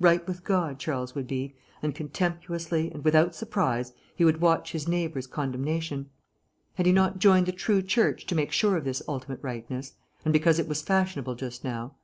Right with God, Charles would be, and contemptuously and without surprise he would watch his neighbours' condemnation. Had he not joined the True Church to make sure of this ultimate rightness, and because it was fashionable just now?